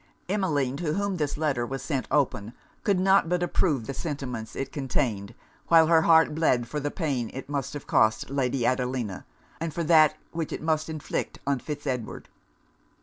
Emmeline, to whom this letter was sent open, could not but approve the sentiments it contained, while her heart bled for the pain it must have cost Lady Adelina, and for that which it must inflict on Fitz Edward.